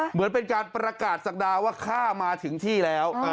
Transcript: เหมือนเป็นการประกาศศักดาว่าข้ามาถึงที่แล้ว